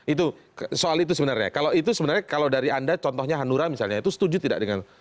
itu soal itu sebenarnya kalau itu sebenarnya kalau dari anda contohnya hanura misalnya itu setuju tidak dengan